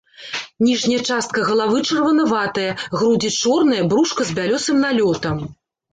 Ніжняя частка галавы чырванаватая, грудзі чорныя, брушка з бялёсым налётам.